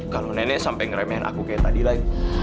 kalau nenek sampai ngeremehin aku kayak tadi lagi